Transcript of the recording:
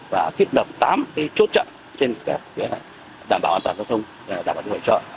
và thiết lập tám chốt trận trên đảm bảo an toàn giao thông đảm bảo trật tự hội trợ